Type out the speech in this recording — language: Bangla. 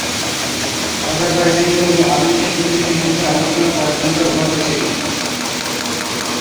আজারবাইজানীয় এবং আর্মেনিয়ান প্রতিনিধিদের মধ্যে আলোচনা কয়েক ঘণ্টা অব্যাহত ছিল।